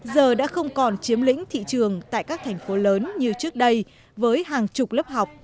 giờ đã không còn chiếm lĩnh thị trường tại các thành phố lớn như trước đây với hàng chục lớp học